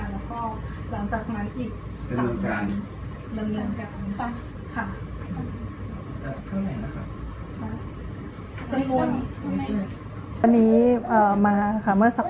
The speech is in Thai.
แล้วเท่าไหร่นะครับครับเจ็ดวันตอนนี้มาค่ะ